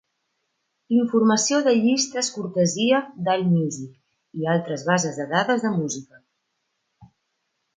Informació de llistes cortesia d'Allmusic i altres bases de dades de música.